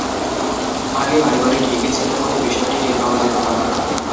আগে বাড়ি বাড়ি ঢেঁকি ছিল বলে বিষয়টি টের পাওয়া যেত না।